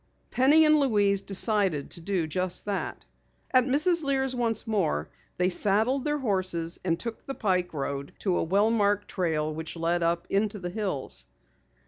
Penny and Louise decided to do just that. At Mrs. Lear's once more, they saddled their horses and took the pike road to a well marked trail which led up into the hills.